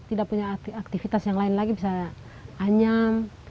tidak punya aktivitas yang lain lagi bisa anyam